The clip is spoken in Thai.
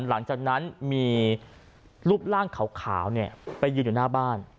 หลังจากนั้นมีรูปร่างขาวไปยืนอยู่หน้าบ้าน